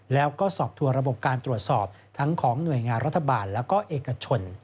แล้วก็สอบทัวร์ระบบการตรวจสอบทั้งของหน่วยงานรัฐบาลและก็เอกชน